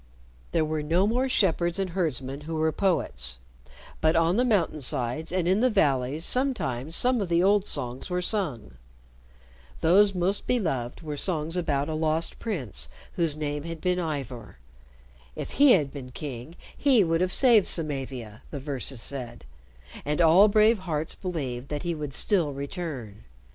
There were no more shepherds and herdsmen who were poets, but on the mountain sides and in the valleys sometimes some of the old songs were sung. Those most beloved were songs about a Lost Prince whose name had been Ivor. If he had been king, he would have saved Samavia, the verses said, and all brave hearts believed that he would still return.